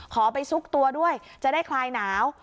ขอไปซุกตัวด้วยจะได้คลายหนาว